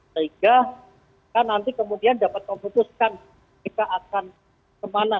sehingga nanti kemudian dapat memutuskan jika akan kemana